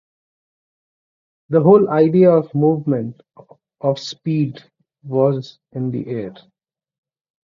The whole idea of movement, of speed, was in the air.